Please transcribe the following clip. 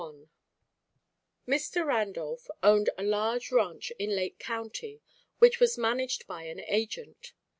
BOOK II I Mr. Randolph owned a large ranch in Lake County which was managed by an agent.